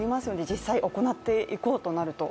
実際行っていこうとなると。